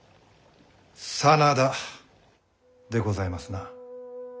真田でございますな。